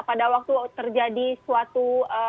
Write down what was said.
pada waktu terjadi suatu